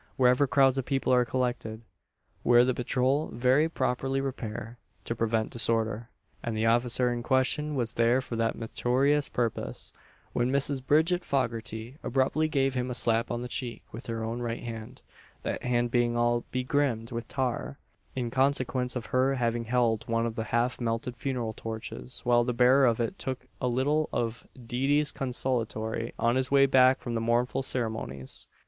Wherever crowds of people are collected, there the patrol very properly repair, to prevent disorder: and the officer in question was there for that meritorious purpose, when Mrs. Bridget Foggarty abruptly gave him a slap on the cheek with her own right hand that hand being all begrimed with tar, in consequence of her having held one of the half melted funeral torches while the bearer of it took a little of Deady's consolatory on his way back from the mournful ceremonies.